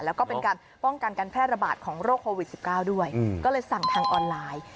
แล้วก็เป็นการป้องกันการแพร่ระบาดของโรคโควิด๑๙ด้วยก็เลยสั่งทางออนไลน์